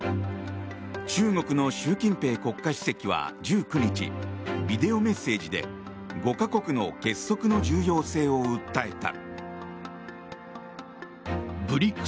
中国の習近平国家主席は１９日ビデオメッセージで５か国の結束の重要性を訴えた。